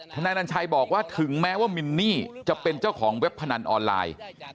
นายนัญชัยบอกว่าถึงแม้ว่ามินนี่จะเป็นเจ้าของเว็บพนันออนไลน์